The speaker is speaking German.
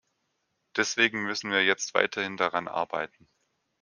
Deswegen müssen wir jetzt weiterhin daran arbeiten.